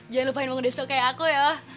jangan lupain mau besok kayak aku ya